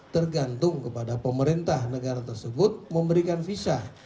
tergantung kepada pemerintah negara tersebut memberikan visa